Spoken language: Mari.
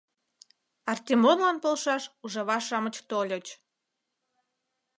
Артемонлан полшаш ужава-шамыч тольыч.